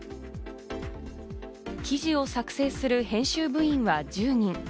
記事を作成する編集部員は１０人。